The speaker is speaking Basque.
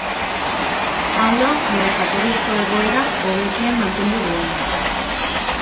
Hau da bere jatorrizko egoera hobekien mantendu duena.